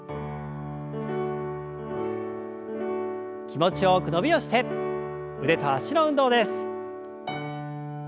気持ちよく伸びをして腕と脚の運動です。